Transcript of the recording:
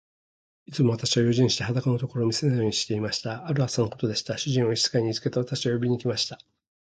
いつも私は用心して、裸のところを見せないようにしていました。ある朝のことでした。主人は召使に言いつけて、私を呼びに来ました。